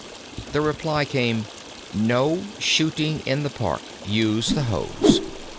The reply came: "No shooting allowed in Park; use the hose."